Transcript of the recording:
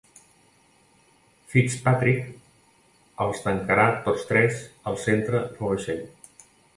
Fitzpatrick els tancarà tots tres al centre del vaixell.